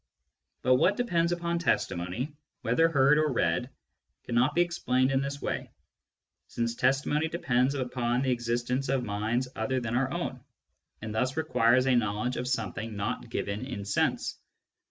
But what depends upon testimony, whether heard or read, cannot be explained in this way, since testimony depends upon the existence of minds other than our own, and thus requires a knowledge of something not given in sense.